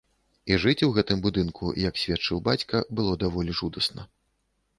І жыць у гэтым будынку, як сведчыў бацька, было даволі жудасна.